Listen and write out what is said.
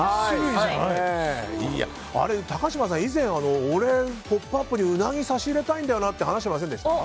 高嶋さん、以前「ポップＵＰ！」に、うなぎを差し入れたいんだよなって話してませんでした？